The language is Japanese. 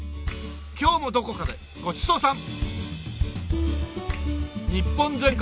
今日もどこかでごちそうさん！